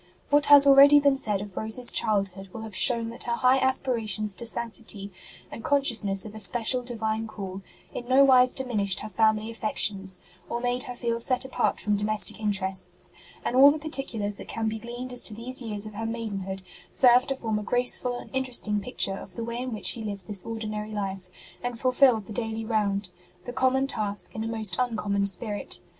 What has already been said of Rose s childhood will have shown that her high aspira tions to sanctity, and consciousness of a special Divine call, in nowise diminished her family affec tions, or made her feel set apart from domestic interests; and all the particulars that can be gleaned as to these years of her maidenhood serve to form a graceful and interesting picture of the way in which she lived this ordinary life, and fulfilled the daily round, the common task in a most uncommon spirit.